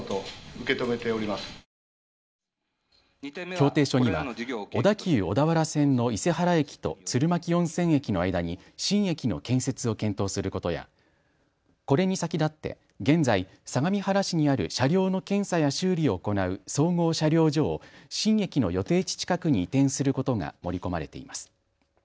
協定書には小田急小田原線の伊勢原駅と鶴巻温泉駅の間に新駅の建設を検討することやこれに先立って現在、相模原市にある車両の検査や修理を行う総合車両所を新駅の予定地近くに移転することが盛り込まれています。